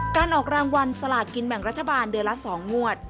การออกรางวัลสลากินแบ่งรัฐบาลเดือนละ๒งวด